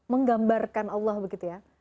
menggambarkan allah begitu ya